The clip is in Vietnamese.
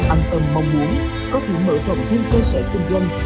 an tâm mong muốn có thể mở phòng thêm cơ sở công dân